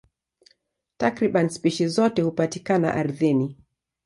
Takriban spishi zote hupatikana ardhini.